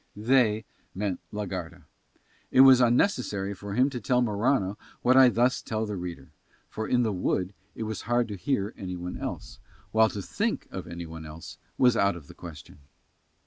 "They" meant la Garda. It was unnecessary for him to tell Morano what I thus tell the reader, for in the wood it was hard to hear anyone else, while to think of anyone else was out of the question.